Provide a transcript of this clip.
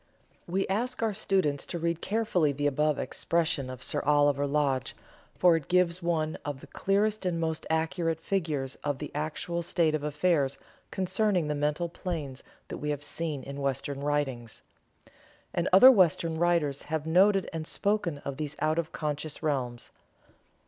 We ask our students to read carefully the above expression of Sir Oliver Lodge, for it gives one of the clearest and most accurate figures of the actual state of affairs concerning the mental planes that we have seen in Western writings. And other Western writers have noted and spoken of these out of conscious realms.